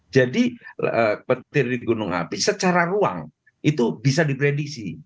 jadi petir di gunung api secara ruang itu bisa diprediksi